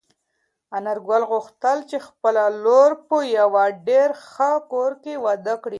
انارګل غوښتل چې خپله لور په یوه ډېر ښه کور کې واده کړي.